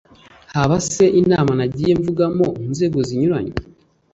Haba se inama nagiye mvugamo mu nzego zinyuranye